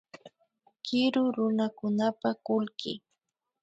Kitu runakunapa kullki